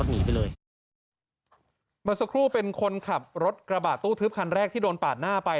ใช่เป็นค้นขับรถกระบาดตู้ทึบคันแรกที่โดนปาดหน้าไป